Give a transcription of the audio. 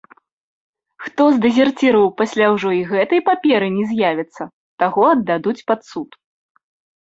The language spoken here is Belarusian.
Хто з дэзерціраў пасля ўжо і гэтай паперы не з'явіцца, таго аддадуць пад суд.